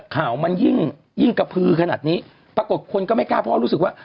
ข่าวมันยิ่งกระพือขนาดนี้ปรากฏคนก็ไม่กล้าเพราะรู้สึกว่า